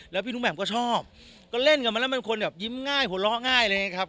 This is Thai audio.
แล้วพี่หนุ่มแหม่มก็ชอบก็เล่นกันมาแล้วเป็นคนแบบยิ้มง่ายหัวเราะง่ายเลยครับ